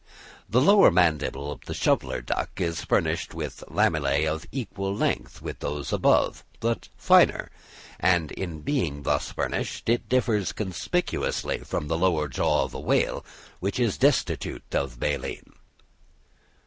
The lower mandible of the shoveller duck is furnished with lamellæ of equal length with these above, but finer; and in being thus furnished it differs conspicuously from the lower jaw of a whale, which is destitute of baleen.